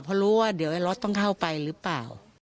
เพราะรู้ว่าเดี๋ยวไอ้รถต้องเข้าไปหรือเปล่า